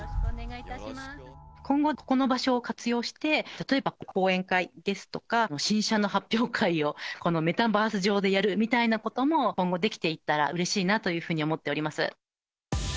今後、この場所を活用して、例えば講演会ですとか、新車の発表会をこのメタバース上でやるみたいなことも、今後できていったらうれしいなというふうに思っております。